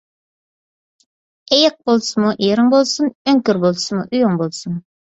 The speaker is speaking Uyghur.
ئېيىق بولسىمۇ ئېرىڭ بولسۇن، ئۆڭكۈر بولسىمۇ ئۆيۈڭ بولسۇن.